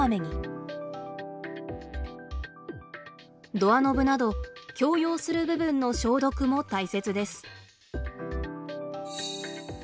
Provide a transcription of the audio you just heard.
ドアノブなど共用する部分の消毒も大切です。